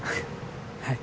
はい。